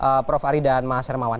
terima kasih prof ari dan mas hermawan